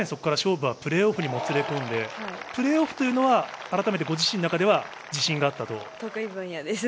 さらにそこから勝負はプレーオフにもつれ込んで、プレーオフはご自身の中では自信があったと。